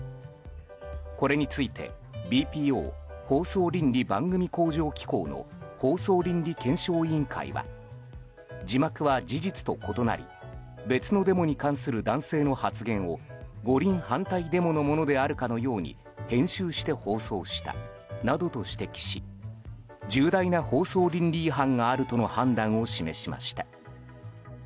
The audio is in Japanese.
これについて、ＢＰＯ・放送倫理・番組向上機構の放送倫理検証委員会は字幕は事実と異なり別のデモに関する男性の発言を五輪反対デモのものであるかのように編集して放送したなどと指摘し重大な放送倫理違反があるとの判断を示しました。